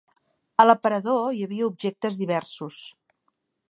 A l'aparador hi havia objectes diversos.